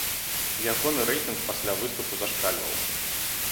Ягоны рэйтынг пасля выступу зашкальваў.